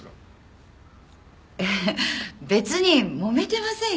えっ別にもめてませんよ。